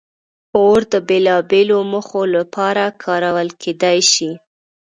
اور د بېلابېلو موخو لپاره کارول کېدی شي.